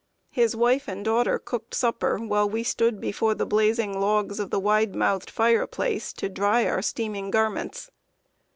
His wife and daughter cooked supper, while we stood before the blazing logs of the wide mouthed fireplace, to dry our steaming garments.